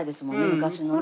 昔のね。